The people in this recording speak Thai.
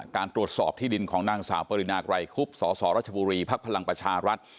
การตรวจสอบที่ดินของนางสาวปริณากรายคุบสสรัชบุรีพภรรรัฐ